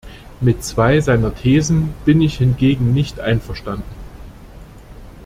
Mit zwei seiner Thesen bin ich hingegen nicht einverstanden.